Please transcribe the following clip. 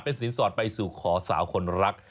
สินสอดไปสู่ขอสาวคนรัก